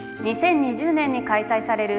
２０２０年に開催される